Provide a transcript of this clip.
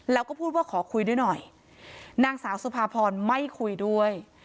แล้วก็พูดว่าขอคุยด้วยหน่อยนางสาวสุภาพรไม่คุยด้วย